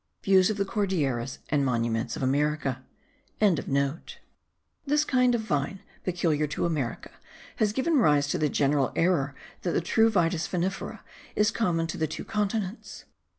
Views of the Cordilleras and Monuments of America.) This kind of vine, peculiar to America, has given rise to the general error that the true Vitis vinifera is common to the two continents.